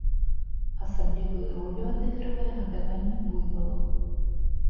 Асаблівую ролю адыгрывае гадаванне буйвалаў.